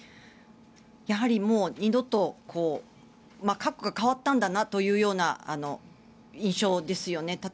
やはりもう二度と過去が変わったんだなというような印象ですよね。